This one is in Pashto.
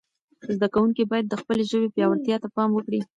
زده کوونکي باید د خپلې ژبې پياوړتیا ته پام وکړي.